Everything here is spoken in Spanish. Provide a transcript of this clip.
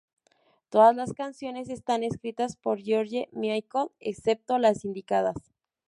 Todas las canciones están escritas por George Michael excepto las indicadas.